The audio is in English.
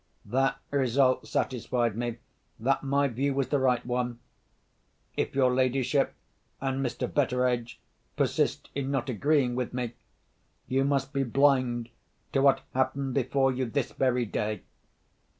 That result satisfied me that my view was the right one. If your ladyship and Mr. Betteredge persist in not agreeing with me, you must be blind to what happened before you this very day.